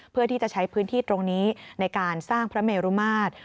เพื่อที่จะใช้พื้นที่ตรงนี้ในการสร้างพระเมรุมาตร